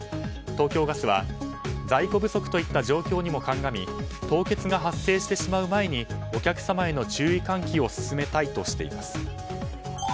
東京ガスは在庫不足といった状況にも鑑み凍結が発生してしまう前にお客様への注意喚起を進めたいとしています。